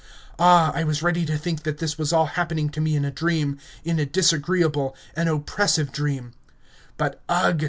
Ah! I was ready to think that all this was happening to me in a dream in a disagreeable, an oppressive dream. But, ugh!